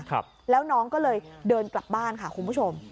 ครับแล้วน้องก็เลยเดินกลับบ้านค่ะคุณผู้ชม